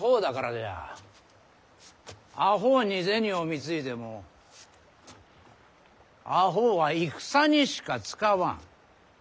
あほうに銭を貢いでもあほうは戦にしか使わん。